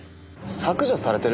削除されてる？